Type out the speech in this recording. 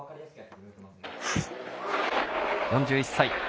４１歳。